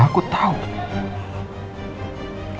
aku takut pak